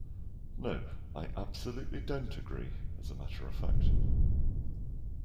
No, I absolutely don't agree, as a matter of fact